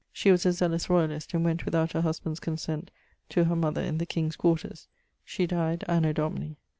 ] She was a zealous royalist, and went without her husband's consent to her mother in the king's quarters. She dyed anno Domini....